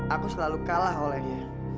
aku selalu kalah olehnya